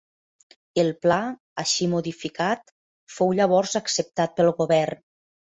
El pla, així modificat, fou llavors acceptat pel govern.